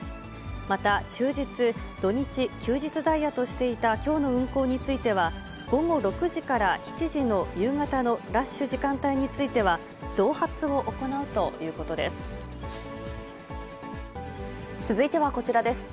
また、終日、土日・休日ダイヤとしていたきょうの運行については、午後６時から７時の夕方のラッシュ時間帯については、増発を行う続いてはこちらです。